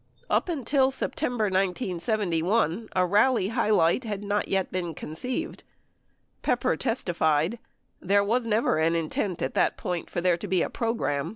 Up until September, 1971, a rally highlight had not yet been conceived. Pepper testified, "There was never an intent at that point for there to be a program. ..